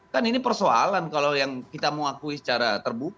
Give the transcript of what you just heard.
kan ini persoalan kalau yang kita mau akui secara terbuka